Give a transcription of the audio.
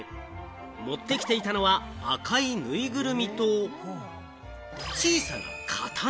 持ってきていたのは赤いぬいぐるみと小さな刀。